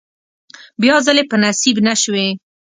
بیا ځلې په نصیب نشوې.